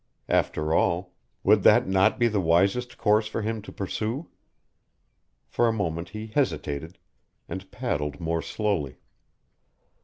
After all, would that not be the wisest course for him to pursue? For a moment he hesitated, and paddled more slowly.